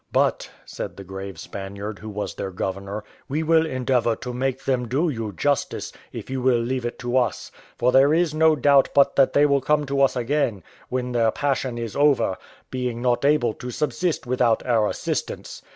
"But," said the grave Spaniard, who was their governor, "we will endeavour to make them do you justice, if you will leave it to us: for there is no doubt but they will come to us again, when their passion is over, being not able to subsist without our assistance.